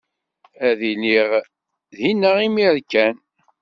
Ad iliɣ dinna imir kan.